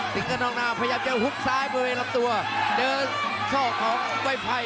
สิงค์กะนองน่าพยายามจะหุบซ้ายไปรับตัวเดินข้อของไวไฟ